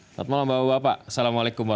selamat malam bapak bapak assalamualaikum wr wb